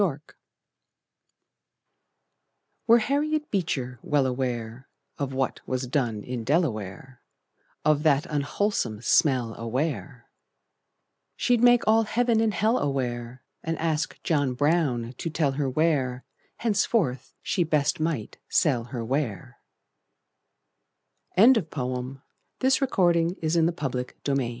TABB Were Harriet Beecher well aware Of what was done in Delaware, Of that unwholesome smell aware, She'd make all heaven and hell aware, And ask John Brown to tell her where Henceforth she best might sell her ware. OUR BEST SOCIETY BY GEORGE WILLIAM CURTIS If gilt w